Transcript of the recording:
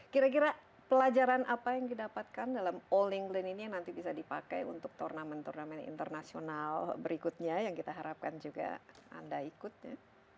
kira kira pelajaran apa yang didapatkan dalam all england ini yang nanti bisa dipakai untuk turnamen turnamen internasional berikutnya yang kita harapkan juga anda ikutnya